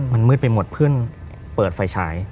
มันมืดไปหมดเพื่อนเปิดไฟฉาย